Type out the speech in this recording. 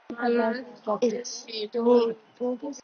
The canal then continues southwards towards Bakersfield.